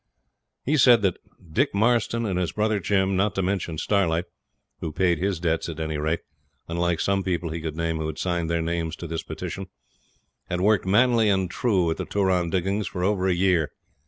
He said that 'Dick Marston and his brother Jim, not to mention Starlight (who paid his debts at any rate, unlike some people he could name who had signed their names to this petition), had worked manly and true at the Turon diggings for over a year.